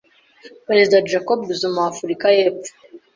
Perezida Jacob Zuma wa Africa y’epfo